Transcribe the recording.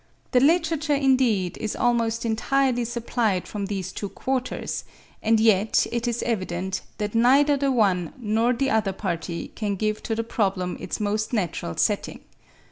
The literature indeed is almost entirely supplied from these two quarters: and yet it is evident that neither the one nor the other party can give to the problem its most natural setting.